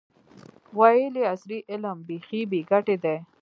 ویل یې عصري علم بیخي بې ګټې دی.